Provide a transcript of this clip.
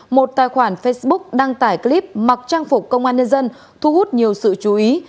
một tài khoản facebook đăng tải clip mặc trang phục công an nhân dân thu hút nhiều sự chú ý